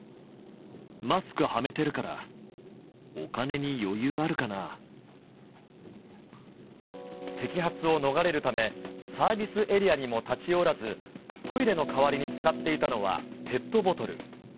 マスクはめてるから、摘発を逃れるため、サービスエリアにも立ち寄らず、トイレの代わりに使っていたのは、ペットボトル。